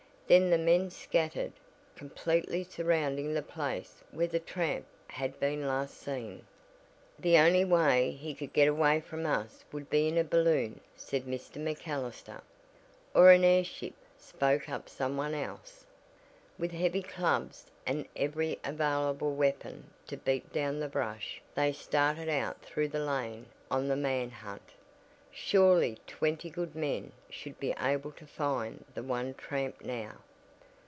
Then the men scattered completely surrounding the place where the tramp had been last seen. "The only way he could get away from us would be in a balloon," said Mr. MacAllister. "Or an airship," spoke up someone else. With heavy clubs and every available weapon to beat down the brush they started out through the lane on the man hunt. Surely twenty good men should be able to find the one "tramp" now.